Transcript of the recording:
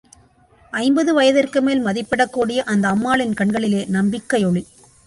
ஐம்பது வயதிற்குமேல் மதிப்பிடக்கூடிய அந்த அம்மாளின் கண்களிலே நம்பிக்கையொளி.